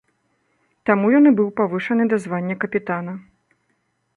Там ён і быў павышаны да звання капітана.